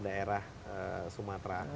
daerah sumatera oke